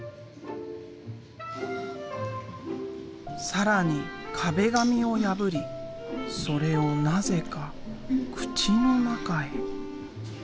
更に壁紙を破りそれをなぜか口の中へ。